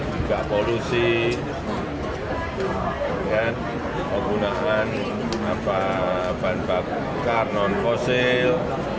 juga polusi penggunaan ban bakar non fosil